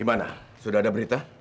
gimana sudah ada berita